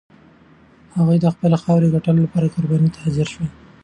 هغوی د خپلې خاورې د ګټلو لپاره قربانۍ ته حاضر شول.